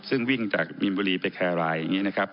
ซึ่งวิ่งจากมีนบุรีไปแครรายอย่างนี้นะครับ